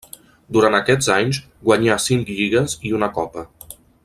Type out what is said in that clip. Durant aquests anys guanyà cinc lligues i una copa.